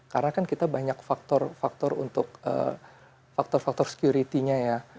karena kan kita banyak faktor faktor untuk faktor faktor security nya ya